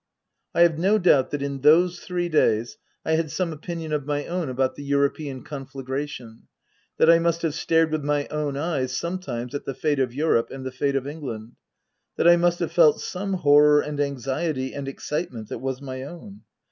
I have no doubt that in those three days I had some opinion of my own about the European conflagration, that I must have stared with my own eyes sometimes at the fate of Europe and the fate of England, that I must have felt some horror and anxiety and excitement that was my own.